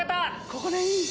ここでいい！